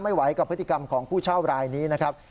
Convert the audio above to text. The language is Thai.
ไหวกับพฤติกรรมของผู้เช่ารายนี้นะครับ